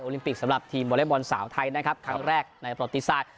ลิมปิกสำหรับทีมวอเล็กบอลสาวไทยนะครับครั้งแรกในประวัติศาสตร์